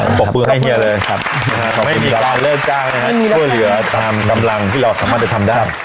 ไม่มีการเลือกจ้างนะครับช่วยเหลือตามกำลังที่เราสามารถจะทำได้